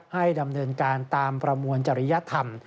ให้ดำเนินการตามประมวลจริยธรรม